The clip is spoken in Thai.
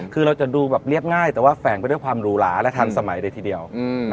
คือเราจะดูแบบเรียบง่ายแต่ว่าแฝงไปด้วยความหรูหลาและทันสมัยเลยทีเดียว